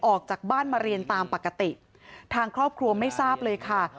ออกจากบ้านมาเรียนตามปกติทางครอบครัวไม่ทราบเลยค่ะ